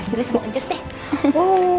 sekali kali sama anjus deh